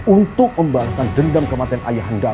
untuk membalaskan dendam kematian ayah anda